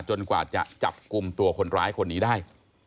กว่าจะจับกลุ่มตัวคนร้ายคนนี้ได้